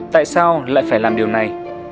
tại sao lại phải làm điều này